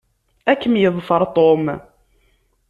Ad kem-yeḍfer Tom.